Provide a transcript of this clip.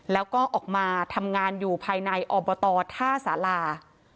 แล้วก็ออกมาทำงานอยู่ภายในอบตท่าสารา